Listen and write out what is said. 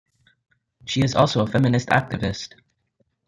She is also a feminist activist.